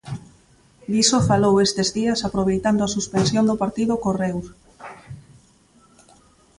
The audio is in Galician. Diso falou estes días aproveitando a suspensión do partido co Reus.